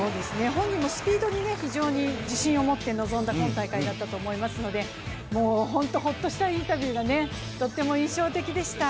本人もスピードに非常に自信を持って臨んだ今大会だったと思いますので、本当にほっとしたインタビューが印象的でした。